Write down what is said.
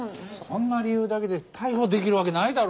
そんな理由だけで逮捕できるわけないだろ。